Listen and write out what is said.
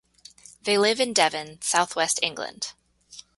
They live in Devon, South West England.